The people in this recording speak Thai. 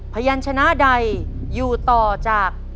พยานชนะใดอยู่ต่อจาก